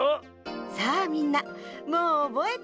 さあみんなもうおぼえたかしら？